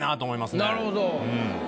なるほど。